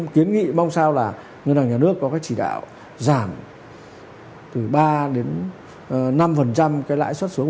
kiến nghị mong sao là nhà nước có cái chỉ đạo giảm từ ba đến năm cái lãi xuất xuống